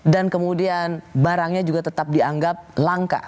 dan kemudian barangnya juga tetap dianggap langka